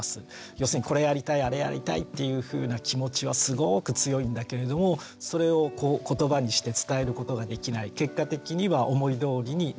要するにこれやりたいあれやりたいっていうふうな気持ちはすごく強いんだけれどもそれを言葉にして伝えることができない結果的には思いどおりにならない。